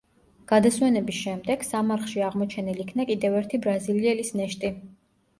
გადასვენების შემდეგ, სამარხში აღმოჩენილ იქნა კიდევ ერთი ბრაზილიელის ნეშტი.